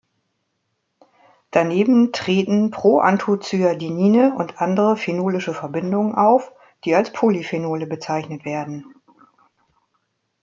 Daneben treten Proanthocyanidine und andere phenolische Verbindungen auf, die als Polyphenole bezeichnet werden.